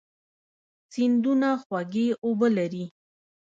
سیندونه خوږې اوبه لري.